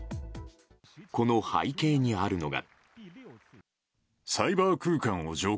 この背景にあるのが。